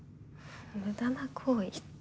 無駄な行為って。